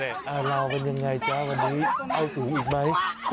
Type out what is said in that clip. เอาเรากันยังไงจ๊ะวันนี้เอาสูงอีกไหม